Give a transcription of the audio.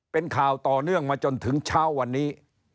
เป็นข่าวต่อเนื่องมาจนถึงเช้าวันนี้